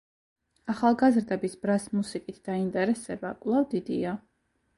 ახალგაზრდების ბრას მუსიკით დაინტერესება კვლავ დიდია.